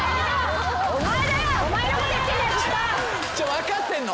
分かってんの。